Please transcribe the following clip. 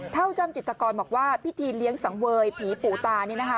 เจ้าจ้ำจิตกรบอกว่าพิธีเลี้ยงสังเวยผีปู่ตา